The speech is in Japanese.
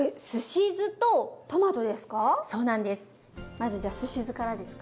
まずじゃすし酢からですか。